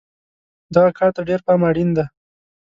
دغه کار ته ډېر پام اړین دی.